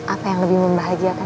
apa yang lebih membahagiakan